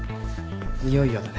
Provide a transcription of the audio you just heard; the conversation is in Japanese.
いよいよだね。